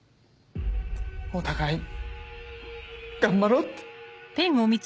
お互い頑張ろうって。